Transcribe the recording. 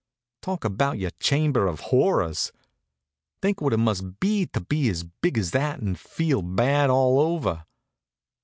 Talk about your chamber of horrors! Think what it must be to be as big as that and feel bad all over.